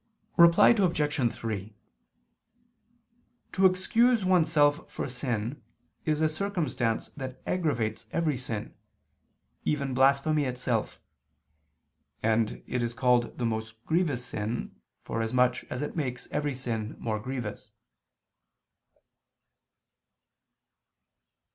Reply Obj. 3: To excuse oneself for sin is a circumstance that aggravates every sin, even blasphemy itself: and it is called the most grievous sin, for as much as it makes every sin more grievous.